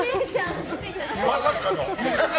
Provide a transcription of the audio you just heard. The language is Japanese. まさかの。